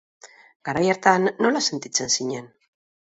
Garai hartan nola sentitzen zinen?